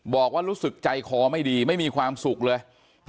บอกว่ารู้สึกใจคอไม่ดีไม่มีความสุขเลย